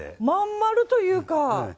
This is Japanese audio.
まんまるというか。